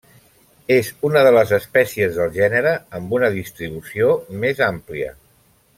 És una de les espècies del gènere amb una distribució més àmplia.